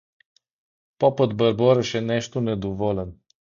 Попът бърбореше нещо недоволен.